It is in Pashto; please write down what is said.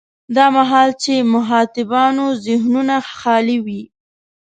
دا مهال چې مخاطبانو ذهنونه خالي وي.